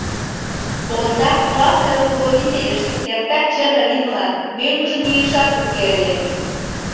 Ондак классный руководительышт эртак черле лиймылан мӧҥгыжӧ мийышат уке ыле.